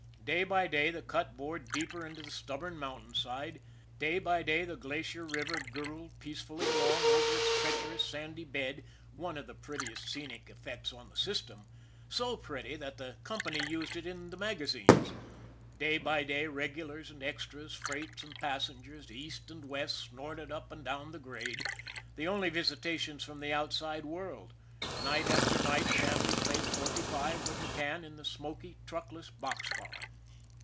Day by day the cut bored deeper into the stubborn mountain side; day by day the Glacier River gurgled peacefully along over its treacherous sandy bed, one of the prettiest scenic effects on the system, so pretty that the company used it in the magazines; day by day regulars and extras, freights and passengers, east and west, snorted up and down the grade, the only visitations from the outside world; night after night Shanley played forty five with McCann in the smoky, truckless box car.